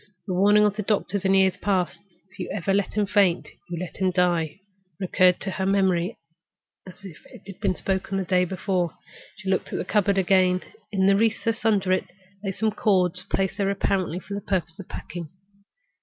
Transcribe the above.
The warning of the doctors in past years—"If you ever let him faint, you let him die"—recurred to her memory as if it had been spoken the day before. She looked at the cupboard again. In a recess under it lay some ends of cord, placed there apparently for purposes of packing.